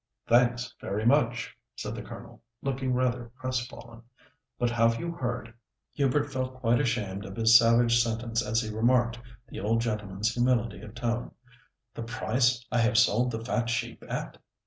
"Thanks very much!" said the Colonel, looking rather crestfallen; "but have you heard" Hubert felt quite ashamed of his savage sentence as he remarked the old gentleman's humility of tone—"the price I have sold the fat sheep at?"